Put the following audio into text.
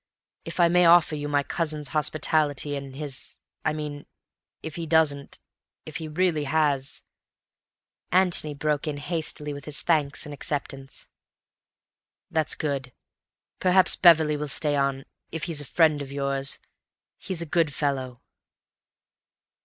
If I may offer you my cousin's hospitality in his—I mean if he doesn't—if he really has—" Antony broke in hastily with his thanks and acceptance. "That's good. Perhaps Beverley will stay on, if he's a friend of yours. He's a good fellow."